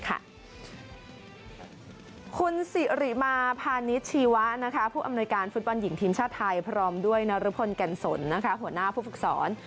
คุณสิริมาพาณิชชีวะผู้อำนวยการฟุตบอลหญิงทีมชาติไทยพร้อมด้วยนรพลแก่นสนหัวหน้าผู้ฝึกสอน